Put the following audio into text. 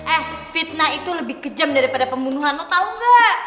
eh fitnah itu lebih kejam daripada pembunuhan lo tau gak